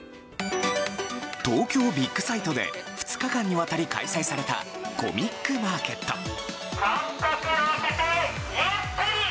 東京ビッグサイトで２日間にわたり開催されたコミックマーケット。